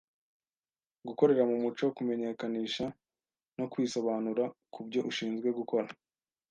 gukorera mu mucyo, kumenyekanisha no kwisobanura ku byo ushinzwe gukora